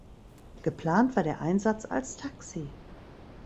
Geplant war der Einsatz als Taxi.